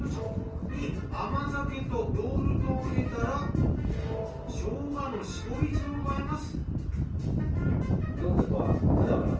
カップに甘酒とヨーグルトを入れたらしょうがの搾り汁を加えます。